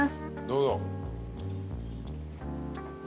どうぞ。